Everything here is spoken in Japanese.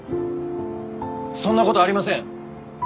そんなことありません。